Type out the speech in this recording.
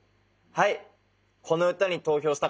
はい！